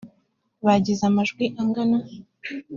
bagize amajwi angana.